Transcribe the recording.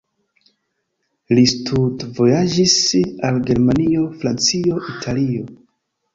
Li studvojaĝis al Germanio, Francio, Italio.